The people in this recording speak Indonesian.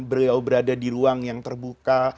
beliau berada di ruang yang terbuka